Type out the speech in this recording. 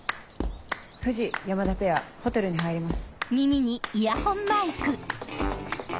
藤山田ペアホテルに入ります。